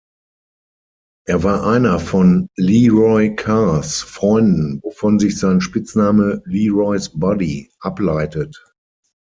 Er war einer von Leroy Carrs Freunden, wovon sich sein Spitzname „Leroy’s Buddy“ ableitet.